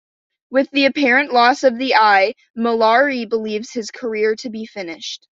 With the apparent loss of the Eye, Mollari believes his career to be finished.